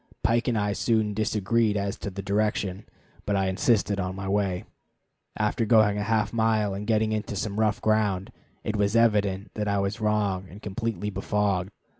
Pike and I soon disagreed as to the direction, but I insisted on my way. After going a half mile and getting into some rough ground, it was evident that I was wrong and completely befogged.